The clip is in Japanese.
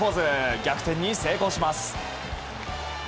逆転に成功します。